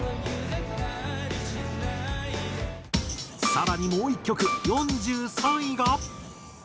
更にもう１曲４３位が。